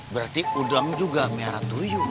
berarti udang juga merah tuyu